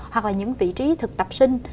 hoặc là những vị trí thực tập sinh